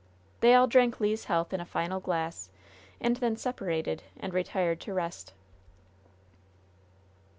They all drank Le's health in a final glass, and then separated, and retired to rest.